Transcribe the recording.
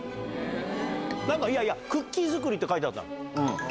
なんかいやいや、クッキー作りって書いてあったの。